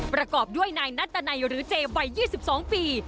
ประกอบด้วยนายนัตดันัยหรือเจวัย๒๒ปี